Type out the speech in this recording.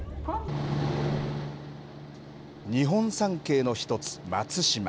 日本三景の１つ松島。